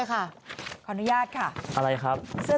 ขออนุญาตนะคะ